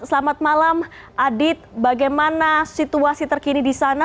selamat malam adit bagaimana situasi terkini di sana